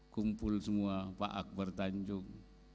kumpul semua pak akbar tanjung